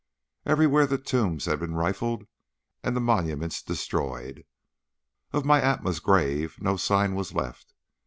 Everywhere the tombs had been rifled and the monuments destroyed. Of my Atma's grave no sign was left.